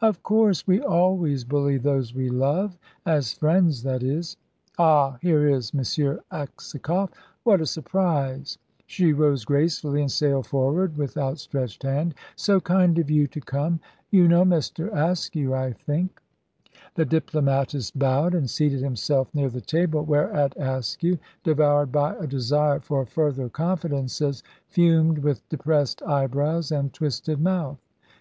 "Of course; we always bully those we love as friends, that is. Ah, here is M. Aksakoff. What a surprise!" She rose gracefully and sailed forward with outstretched hand, "So kind of you to come! You know Mr. Askew, I think." The diplomatist bowed, and seated himself near the table, whereat Askew, devoured by a desire for further confidences, fumed, with depressed eyebrows and twisted mouth.